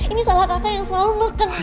ini salah kakak yang selalu makan